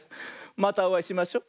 またおあいしましょ。